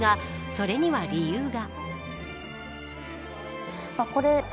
それには理由が。